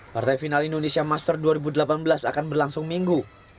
partai final indonesia master dua ribu delapan belas akan berlangsung minggu